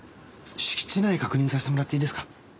敷地内確認させてもらっていいですか？